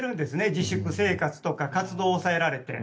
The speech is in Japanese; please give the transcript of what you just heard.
自粛生活とか活動を抑えられて。